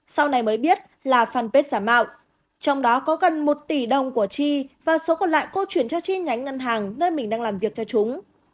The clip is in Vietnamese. sau này mới biết là fanpage giả mạo trong đó có gần một tỷ đồng của chi và số còn lại cô chuyển cho chi nhánh ngân hàng nơi mình đang làm việc cho chúng